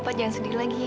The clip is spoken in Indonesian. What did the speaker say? bapak jangan sedih lagi